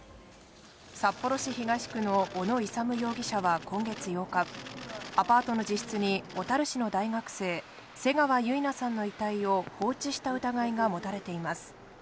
札幌市東区の小野勇容疑者は今月８日、アパートの自室に小樽市の大学生、瀬川結菜さんの遺体を放置した疑いが持たれています。